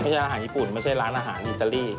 ไม่ใช่ร้านอาหารญี่ปุ่นไม่ใช่ร้านอาหารอิตาลี